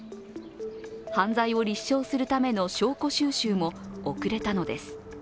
犯罪を立証するための証拠収集も遅れたのです。